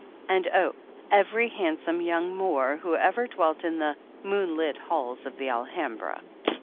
And, oh, every handsome young Moor, who ever dwelt in "the moonlit halls of the Alhambra!"